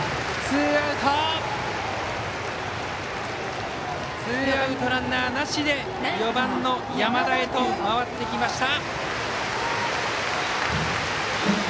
ツーアウトランナーなしで４番の山田へと回ってきました。